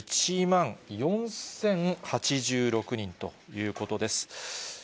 １万４０８６人ということです。